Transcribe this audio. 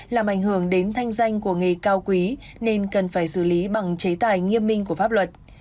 làm ảnh hưởng đến thanh danh của nghề cao quý nên cần phải xử lý bằng chế tài nghiêm minh của pháp luật